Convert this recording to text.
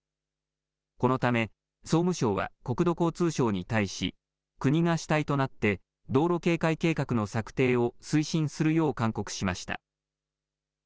このため総務省は国土交通省に対し国が主体となって道路啓開計画の策定を推進するよう勧告しました。